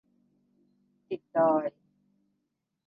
ติดดอย